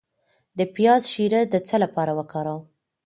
د پیاز شیره د څه لپاره وکاروم؟